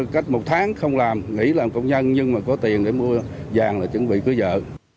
cách một tháng không làm nghỉ làm công nhân nhưng mà có tiền để mua vàng là chuẩn bị cứ giờ